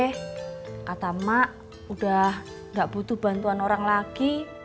kata mak udah nggak butuh bantuan orang lagi